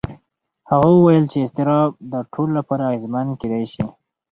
هغه وویل چې اضطراب د ټولو لپاره اغېزمن کېدای شي.